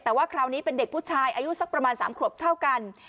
แต่ว่าคราวนี้เป็นเด็กผู้ชายอายุสักประมาณ๓ขวบเท่ากัน